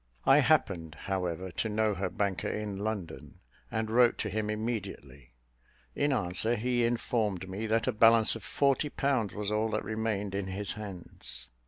I happened, however, to know her banker in London, and wrote to him immediately; in answer, he informed me that a balance of forty pounds was all that remained in his hands.